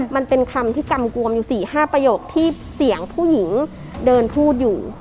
มันเป็นคำที่กำกวมอยู่๔๕ประโยคที่เสียงผู้หญิงเดินพูดอยู่